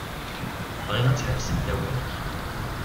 Bɣiɣ ad tḥebsemt awal.